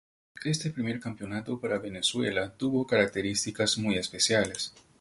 Este primer campeonato para Venezuela tuvo características muy especiales.